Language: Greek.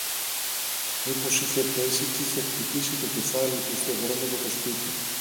Μήπως είχε πέσει κι είχε χτυπήσει το κεφάλι του στο δρόμο για το σπίτι